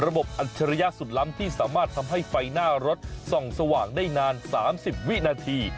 อัจฉริยะสุดล้ำที่สามารถทำให้ไฟหน้ารถส่องสว่างได้นาน๓๐วินาที